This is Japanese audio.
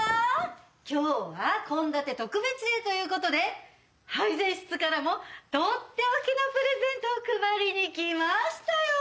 今日は献立特別デーという事で配膳室からもとっておきのプレゼントを配りに来ましたよ！